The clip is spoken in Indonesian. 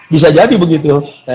bisa jadi begitu